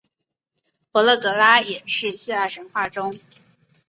佛勒格拉也是希腊神话中。